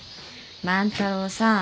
万太郎さん